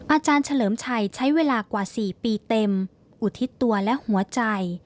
อาจารย์เฉลิมชัยใช้เวลากว่า๔ปีเต็มอุทิศตัวและหัวใจ